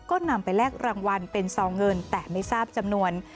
ก็นำไปแลกรางวัลเป็นซองเงินแต่ไม่ทราบจำนวน